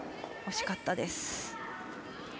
惜しかったです。